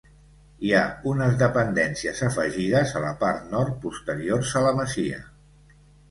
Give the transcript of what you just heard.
Hi ha unes dependències afegides a la part nord posteriors a la masia.